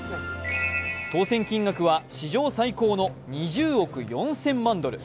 当せん金額は史上最高の２０億４０００万ドル。